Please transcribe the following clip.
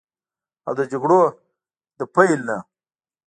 او د جګړو د پیل نه